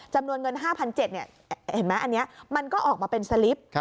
จำนวนเงิน๕๗๐๐บาทมันก็ออกมาเป็นสลิป